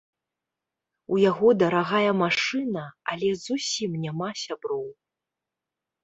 У яго дарагая машына, але зусім няма сяброў.